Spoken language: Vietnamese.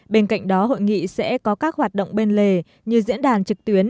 bên cạnh đó hội nghị sẽ có các hoạt động bên lề như diễn đàn trực tuyến